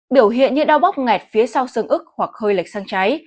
biểu hiện như đau bóc nghẹt phía sau xương ức hoặc hơi lệch sang cháy